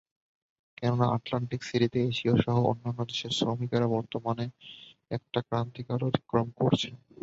কেননা আটলান্টিক সিটিতে এশীয়সহ অন্যান্য দেশের শ্রমিকেরা বর্তমানে একটা ক্রান্তিকাল অতিক্রম করছেন।